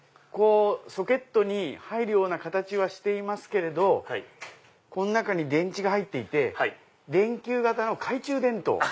ソケットに入るような形はしていますけれどこの中に電池が入っていて電球形の懐中電灯？